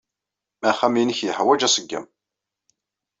Axxam-nnek yeḥwaj aṣeggem.